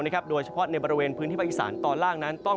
นะครับโดยเฉพาะในบริเวณพื้นที่ปกติศาสตร์ตอนล่างนั้นต้อง